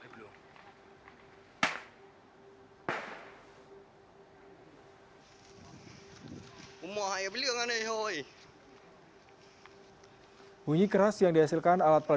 bunyi keras yang dihasilkan alat peledak itu diperlukan untuk mengembangkan warga